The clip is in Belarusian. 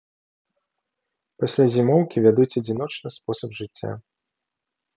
Пасля зімоўкі вядуць адзіночны спосаб жыцця.